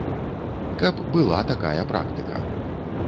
Каб была такая практыка.